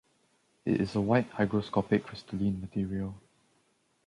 It is a white hygroscopic crystalline material.